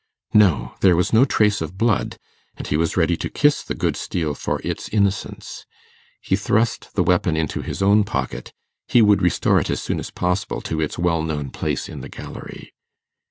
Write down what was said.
No! there was no trace of blood, and he was ready to kiss the good steel for its innocence. He thrust the weapon into his own pocket; he would restore it as soon as possible to its well known place in the gallery.